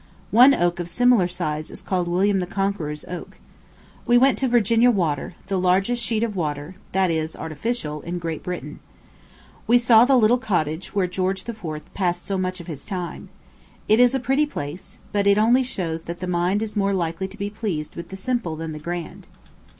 One oak of similar size is called William the Conqueror's Oak. We went to Virginia Water, the largest sheet of water that is, artificial in Great Britain. We saw the little cottage where George IV. passed so much of his time. It is a pretty place, but it only shows that the mind is more likely to be pleased with the simple than the grand.